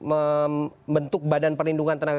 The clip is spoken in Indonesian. membentuk badan perlindungan tenaga